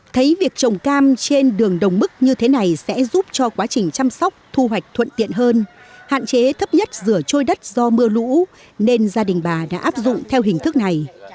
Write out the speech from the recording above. thấy việc trồng cam trên đường đồng mức như thế này sẽ giúp cho quá trình chăm sóc thu hoạch thuận tiện hơn hạn chế thấp nhất rửa trôi đất do mưa lũ nên gia đình bà đã áp dụng theo hình thức này